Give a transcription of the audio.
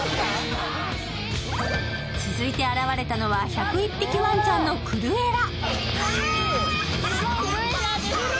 続いて現れたのは「１０１匹わんちゃん」のクルエラ。